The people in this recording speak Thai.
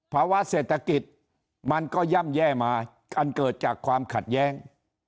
ภาวะเศรษฐกิจมันก็ย่ำแย่มาอันเกิดจากความขัดแย้ง